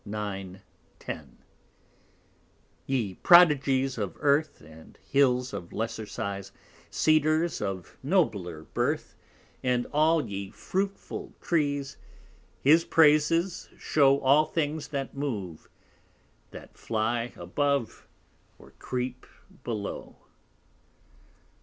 9, 10 _Ye Prodigies of Earth, And Hills of lesser size, Cedars of nobler Birth, And all ye fruitful Trees; His Praises show All things that move, That fly above, Or creep below.